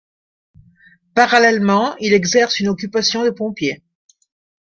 Parallèlement, il exerce une occupation de pompier.